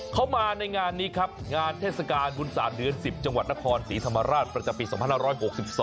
เข้ามาในงานนี้ครับงานเทศกาลบุญศาสตร์เดือน๑๐จังหวัดนครศรีธรรมราชประจำปี๒๕๖๒